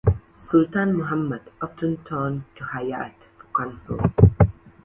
Sultan Muhammad often turned to Hayat for counsel.